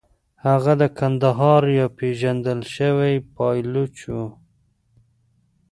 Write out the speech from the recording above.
هغه د کندهار یو پېژندل شوی پایلوچ و.